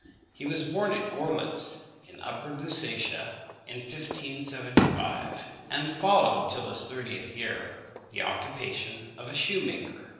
He was born at Görlitz, in Upper Lusatia, in 1575, and followed till his thirtieth year the occupation of a shoemaker.